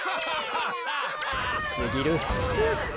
すぎる。